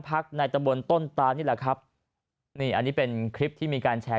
ในตะบนต้นตานี่แหละครับนี่อันนี้เป็นคลิปที่มีการแชร์